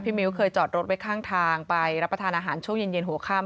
มิ้วเคยจอดรถไว้ข้างทางไปรับประทานอาหารช่วงเย็นหัวค่ำ